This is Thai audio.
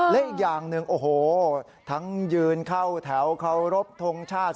และอีกอย่างหนึ่งโอ้โหทั้งยืนเข้าแถวเคารพทงชาติ